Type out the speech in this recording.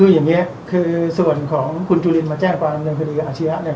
คืออย่างนี้คือส่วนคุณจุรินมาแจ้งกรรมคดีกับอาชญะเนี่ย